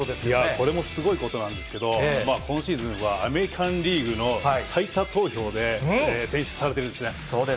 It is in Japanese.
これもすごいことなんですけど、今シーズンはアメリカンリーグの最多投票で選出されているんですね。